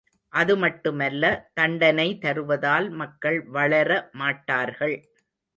அது மட்டுமல்ல தண்டனை தருவதால் மக்கள் வளர மாட்டார்கள்.